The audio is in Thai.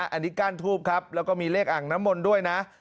อันนี้ก้านทูบครับแล้วก็มีเลขอ่างน้ำมนต์ด้วยนะ